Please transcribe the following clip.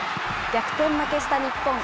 逆転負けした日本。